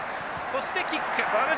そしてキック。